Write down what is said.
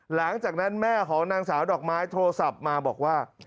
หลังจากนั้นแม่ของนางสาวดอกไม้โทรศัพท์มาบอกว่า